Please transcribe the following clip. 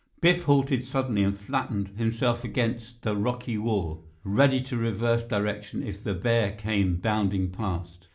Biff halted suddenly and flattened himself against the rocky wall, ready to reverse direction if the bear came bounding past.